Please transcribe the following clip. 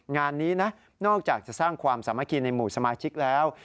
งานนี้นะนอกจากจะสร้างความสามัคคีในหมู่สมาชิกแล้ว